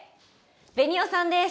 ベニオさんです！